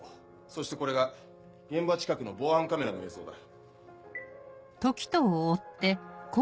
そしてこれが現場近くの防犯カメラの映像だ。